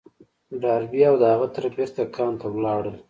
ډاربي او د هغه تره بېرته کان ته ولاړل.